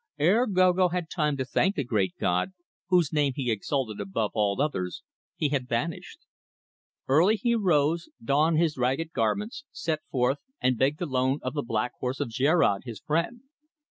"Ere Gogo had time to thank the great god whose name be exalted above all others he had vanished. Early he rose, donned his ragged garments, set forth and begged the loan of the black horse of Djerad, his friend.